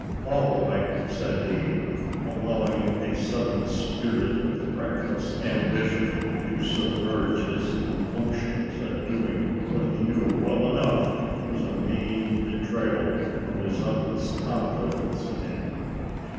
"All right," said he, allowing a sudden spirit of reckless ambition to submerge his compunctions at doing what he knew well enough was a mean betrayal of his uncle's confidence in him.